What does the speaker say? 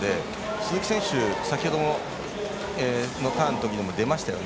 鈴木選手は先ほどのターンのときにも出ましたよね。